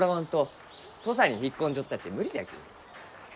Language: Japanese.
土佐に引っ込んじょったち無理じゃき。